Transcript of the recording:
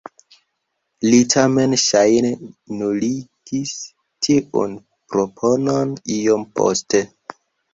Li tamen ŝajne nuligis tiun proponon iom poste.